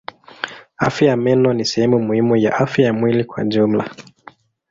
Afya ya meno ni sehemu muhimu ya afya ya mwili kwa jumla.